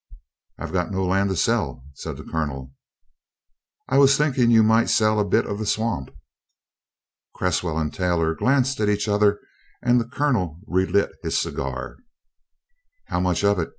"I've got no land to sell," said the Colonel. "I was thinking you might sell a bit of the swamp." Cresswell and Taylor glanced at each other and the Colonel re lit his cigar. "How much of it?"